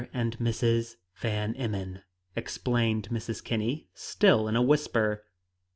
and Mrs. Van Emmon," explained Mrs. Kinney, still in a whisper.